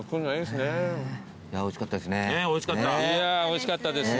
おいしかったです。